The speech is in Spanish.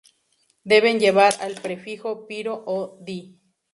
Deben llevar el prefijo piro- o di-.